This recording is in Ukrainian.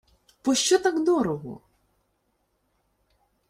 — Пощо так дорого?